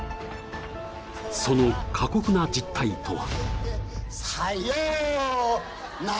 その過酷な実態とは。